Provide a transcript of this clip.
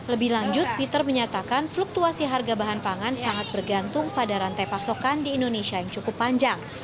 lebih lanjut peter menyatakan fluktuasi harga bahan pangan sangat bergantung pada rantai pasokan di indonesia yang cukup panjang